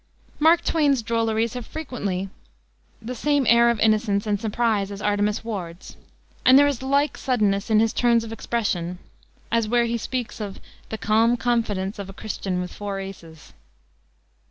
Mark Twain's drolleries have frequently the same air of innocence and surprise as Artemus Ward's, and there is a like suddenness in his turns of expression, as where he speaks of "the calm confidence of a Christian with four aces."